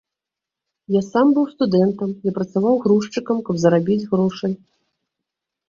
Я сам быў студэнтам, я працаваў грузчыкам, каб зарабіць грошай.